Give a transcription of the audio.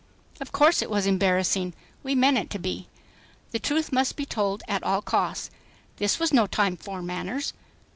Of course it was embarrassing. We meant it to be. The truth must be told at all costs. This was no time for manners.